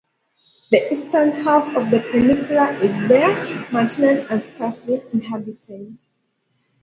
The eastern half of the peninsula is bare, mountainous and scarcely inhabited.